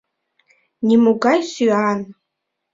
— Нимогай сӱан!